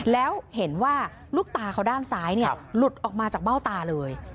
แล้วเห็นว่าลูกตาเขาด้านซ้ายหลุดออกมาจากเบ้าตาเลย